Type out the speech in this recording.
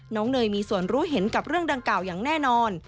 เนยมีส่วนรู้เห็นกับเรื่องดังกล่าวอย่างแน่นอน